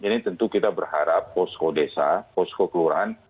ini tentu kita berharap posko desa posko kelurahan